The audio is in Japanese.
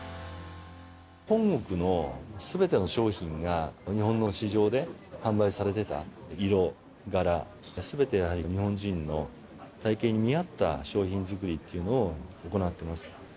本国のすべての商品が、日本の市場で販売されてた、色、柄、すべてがやはり日本人の体形に似合った商品作りというのを行ってます。